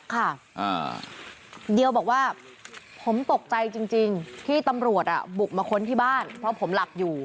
ค่ะเดียวบอกว่าผมตกใจจริงที่ตำรวจบุกมาค้นที่บ้านเพราะผมหลับอยู่